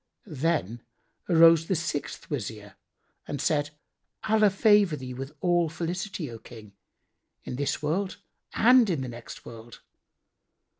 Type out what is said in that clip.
Then arose the sixth Wazir and said, "Allah favour thee with all felicity, O King, in this world and in the next world!